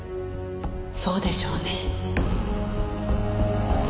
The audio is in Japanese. そうでしょうね。